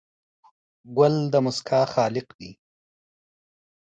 ګل د موسکا خالق دی.